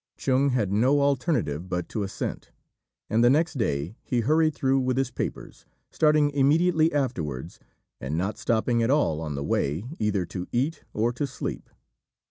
Chung had no alternative but to assent, and the next day he hurried through with his papers, starting immediately afterwards, and not stopping at all on the way either to eat or to sleep.